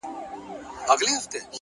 هره تجربه د ژوند نوی رنګ لري!.